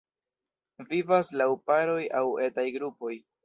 Vivas laŭ paroj aŭ etaj grupoj.